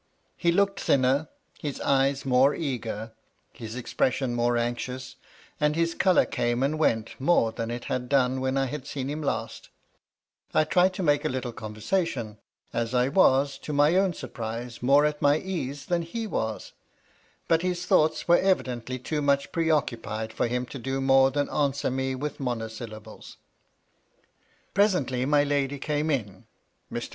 He looked thinner, his eyes more eager, his expression more anxious, and his colour came and went more than it had done when I had seen him last I tried to make a little conversation, as I was, to my own surprise, more at my ease than he was ; but his thoughts were evidently too much preoccupied for him to do more than answer me with monosyllables. Presently my lady came in. Mr.